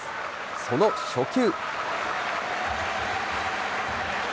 その初球。